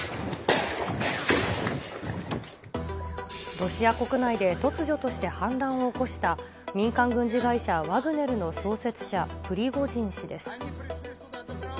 ロシア国内で突如として反乱を起こした民間軍事会社ワグネルの創設者、プリゴジン氏です。